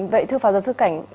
vậy thưa pháo giáo sư cảnh